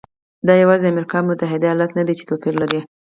دا یوازې امریکا متحده ایالات نه دی چې توپیر لري.